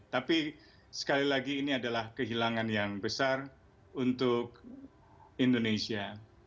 tapi sekali lagi ini adalah kehilangan yang besar untuk indonesia